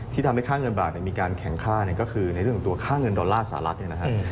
ทำให้ค่าเงินบาทมีการแข็งค่าก็คือในเรื่องของตัวค่าเงินดอลลาร์สหรัฐเนี่ยนะฮะ